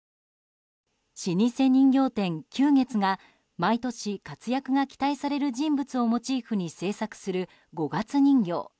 老舗人形店、久月が毎年、活躍が期待される人物をモチーフに製作する五月人形。